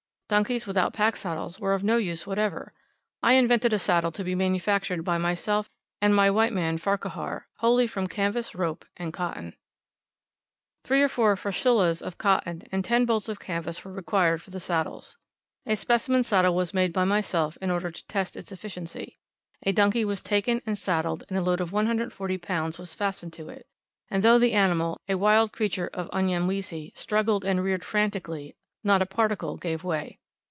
Donkeys without pack saddles were of no use whatever. I invented a saddle to be manufactured by myself and my white man Farquhar, wholly from canvas, rope, and cotton. Three or four frasilahs of cotton, and ten bolts of canvas were required for the saddles. A specimen saddle was made by myself in order to test its efficiency. A donkey was taken and saddled, and a load of 140 lbs. was fastened to it, and though the animal a wild creature of Unyamwezi struggled and reared frantic ally, not a particle gave way.